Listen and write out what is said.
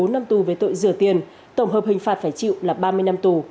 một mươi hai một mươi bốn năm tù về tội rửa tiền tổng hợp hình phạt phải chịu là ba mươi năm tù